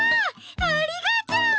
ありがとう！